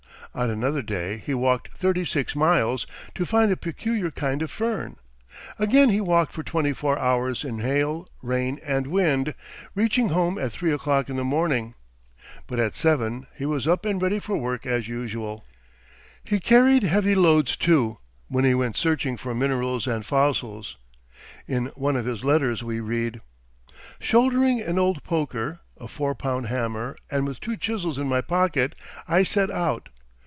On another day he walked thirty six miles to find a peculiar kind of fern. Again he walked for twenty four hours in hail, rain, and wind, reaching home at three o'clock in the morning. But at seven he was up and ready for work as usual. He carried heavy loads, too, when he went searching for minerals and fossils. In one of his letters we read: "Shouldering an old poker, a four pound hammer, and with two chisels in my pocket, I set out....